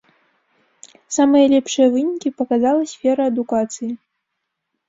Самыя лепшыя вынікі паказала сфера адукацыі.